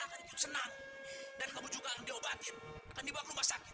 dan kalau yana kerja kita akan senang dan kamu juga diobatin akan dibawa ke rumah sakit